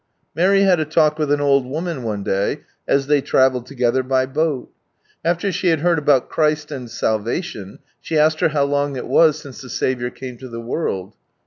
135 Mary had a lalk with an old woman one day, as they travelled together, by boat After she had heard about Christ and Salvation, she asked her how long it ; the Saviour came to the world.